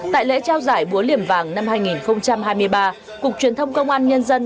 tại lễ trao giải búa liềm vàng năm hai nghìn hai mươi ba cục truyền thông công an nhân dân